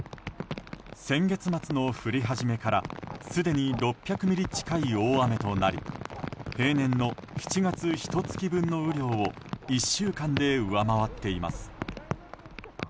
先月末の降り始めからすでに６００ミリ近い大雨となる例年の７月ひと月分の雨量を１週間で上回っています。